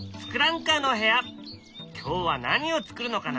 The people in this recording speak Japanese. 今日は何を作るのかな？